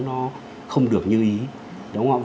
nó không được như ý đúng không ạ